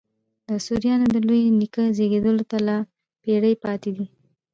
د سوریانو د لوی نیکه زېږېدلو ته لا پېړۍ پاته دي.